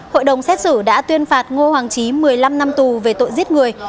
hội đồng xét xử đã tuyên phạt ngô hoàng trí một mươi năm năm tù về tội giết người